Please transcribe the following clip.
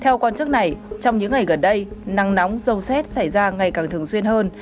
theo quan chức này trong những ngày gần đây nắng nóng dâu xét xảy ra ngày càng thường xuyên hơn